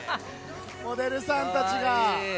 モデルさんたちが。